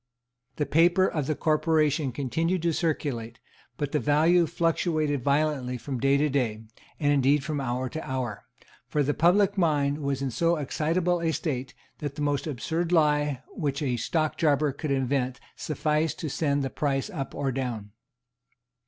The paper of the Corporation continued to circulate, but the value fluctuated violently from day to day, and indeed from hour to hour; for the public mind was in so excitable a state that the most absurd lie which a stockjobber could invent sufficed to send the price up or down.